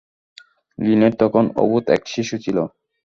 Linate তখন অবোধ এক শিশু ছিল।